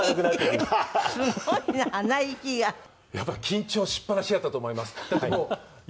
やっぱり緊張しっぱなしやったと思います。